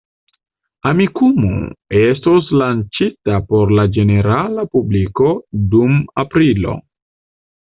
Amikumu estos lanĉita por la ĝenerala publiko dum aprilo.